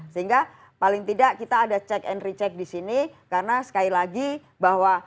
sehingga paling tidak kita ada check and recheck disini karena sekali lagi bahwa pemprov dki membutuhkan pajak online